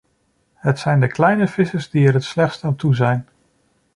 Het zijn de kleine vissers die er het slechts aan toe zijn.